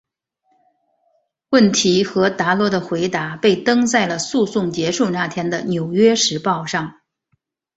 问题和达罗的回答被登在了诉讼结束那天的纽约时报上。